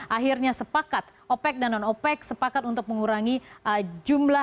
akhirnya sepakat opec dan non opec sepakat untuk mengurangi jumlah